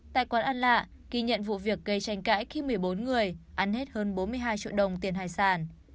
tại quán ăn lạ ghi nhận vụ việc gây tranh cãi khi một mươi bốn người ăn hết hơn bốn mươi hai triệu đồng tiền hải sản